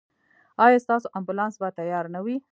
ایا ستاسو امبولانس به تیار نه وي؟